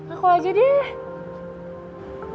aku aja deh